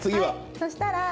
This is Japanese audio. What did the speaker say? そしたら。